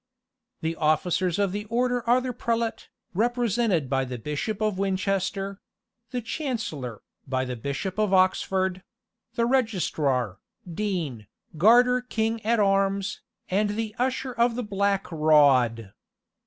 The officers of the Order are the prelate, represented by the Bishop of Winchester; the Chancellor, by the Bishop of Oxford; the registrar, dean, garter king at arms, and the usher of the black rod.